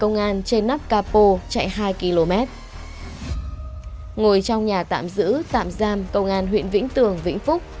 ngồi trong nhà tạm giữ tạm giam công an huyện vĩnh tường vĩnh phúc